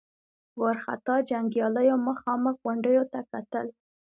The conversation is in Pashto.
وارخطا جنګياليو مخامخ غونډيو ته کتل.